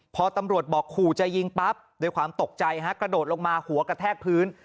พอตำรวจบอกขู่จะยิงปั๊บด้วยความตกใจฮะกระโดดลงมาหัวกระแทกพื้น